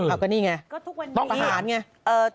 อ้าวก็นี่ไงประหารไง